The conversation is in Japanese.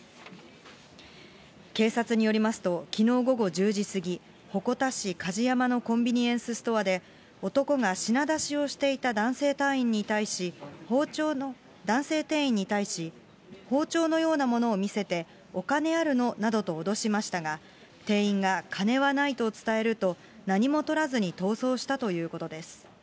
警察によりますと、きのう午後１０時過ぎ、鉾田市かじやまのコンビニエンスストアで、男が品出しをしていた男性店員に対し、包丁のようなものを見せて、お金あるの？などと脅しましたが、店員が金はないと伝えると、何もとらずに逃走したということです。